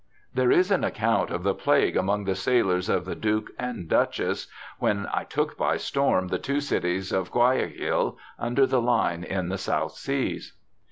There is an account of the plague among the sailors of the Duke and Duchess, ' when I took by storm the two cities of Guaiaquil, under the line, in the South Seas.'